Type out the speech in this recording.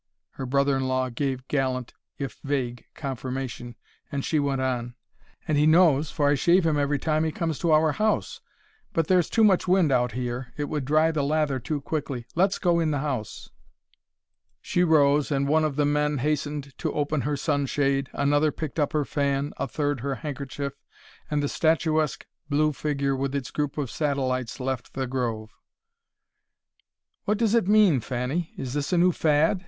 Her brother in law gave gallant, if vague, confirmation, and she went on: "And he knows, for I shave him every time he comes to our house. But there's too much wind out here, it would dry the lather too quickly; let's go in the house." She rose, and one of the men hastened to open her sunshade, another picked up her fan, a third her handkerchief, and the statuesque blue figure with its group of satellites left the grove. "What does it mean, Fanny? Is this a new fad?"